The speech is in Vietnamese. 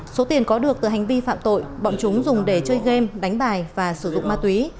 số tiền có được từ hành vi phạm tội bọn chúng dùng để chơi game đánh bài và sử dụng ma túy